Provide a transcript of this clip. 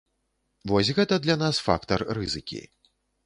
Вось гэта для нас фактар рызыкі.